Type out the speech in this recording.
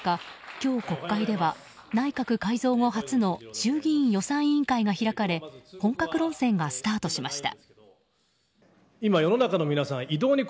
今日、国会では内閣改造後初の衆議院予算委員会が開かれ本格論戦がスタートしました。